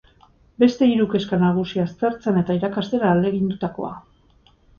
Bere hiru kezka nagusi aztertzen eta irakasten ahalegindutakoa.